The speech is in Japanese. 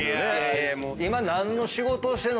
今。